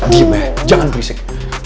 diam ya jangan berisik